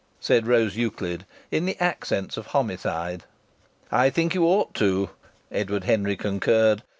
said Rose Euclid, in the accents of homicide. "I think you ought to," Edward Henry concurred.